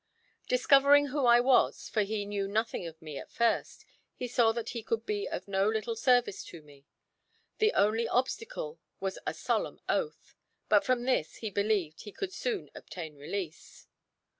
Discovering who I was, for he knew nothing of me at first, he saw that he could be of no little service to me. The only obstacle was a solemn oath; but from this, he believed, he could soon obtain release.